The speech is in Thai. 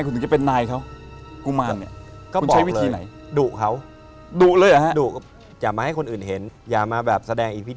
เขาคือเด็กคนหนึ่ง